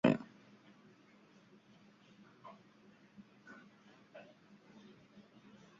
তাঁর মনে হল বিনুযা করেছে, তা সাময়িক অস্থিরতার কারণে।